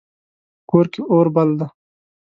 په کور کې اور بل ده